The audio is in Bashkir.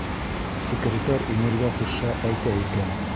Секретарь инергә ҡушһа, әйтә икән: